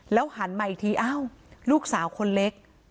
หันมาอีกทีอ้าวลูกสาวคนเล็ก